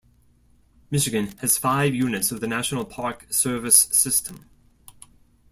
Michigan has five units of the National Park Service system.